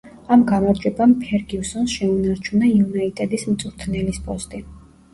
ამ გამარჯვებამ ფერგიუსონს შეუნარჩუნა „იუნაიტედის“ მწვრთნელის პოსტი.